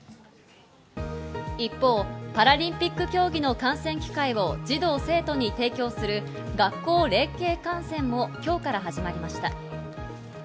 一方、パラリンピック競技の観戦機会を児童・生徒に提供する学校連携観戦も今日から始まりました。